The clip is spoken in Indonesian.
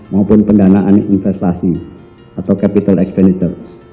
maupun pendanaan investasi atau capital expelitor